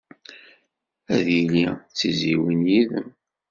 Ad yili d tizzyiwin yid-m.